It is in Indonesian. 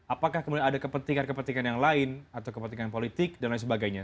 apakah kemudian ada kepentingan kepentingan yang lain atau kepentingan politik dan lain sebagainya